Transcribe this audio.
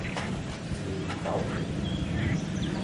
Sie lebt in Gauting.